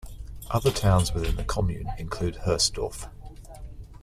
Other towns within the commune include Hoesdorf.